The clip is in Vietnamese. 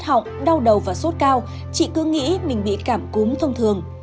họng đau đầu và sốt cao chị cứ nghĩ mình bị cảm cúm thông thường